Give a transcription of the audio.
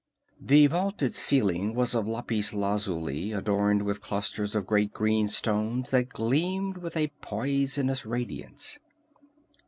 The vaulted ceiling was of lapis lazuli, adorned with clusters of great green stones that gleamed with a poisonous radiance.